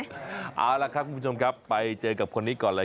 เอาละครับคุณผู้ชมครับไปเจอกับคนนี้ก่อนเลย